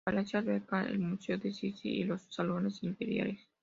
El palacio alberga el museo de Sissi y los salones imperiales.